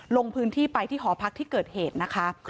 ลงพื้นที่ไปที่หอพักที่เกิดเหตุนะคะ